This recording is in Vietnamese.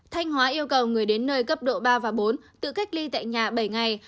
thanh hóa yêu cầu người đến nơi cấp độ ba và bốn tự cách ly tại nhà bảy ngày